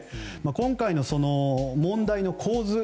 今回の問題の構図